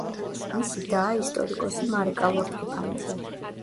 მისი დაა ისტორიკოსი მარიკა ლორთქიფანიძე.